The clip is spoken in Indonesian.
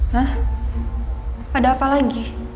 hah ada apa lagi